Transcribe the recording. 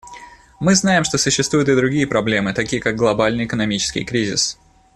Мы знаем, что существуют и другие проблемы, такие как глобальный экономический кризис.